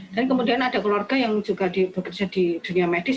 dan kemudian ada keluarga yang juga bekerja di dunia medis